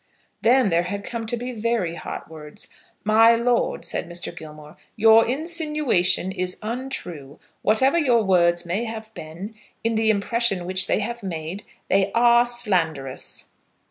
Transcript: Then there had come to be very hot words. "My lord," said Mr. Gilmore, "your insinuation is untrue. Whatever your words may have been, in the impression which they have made, they are slanderous."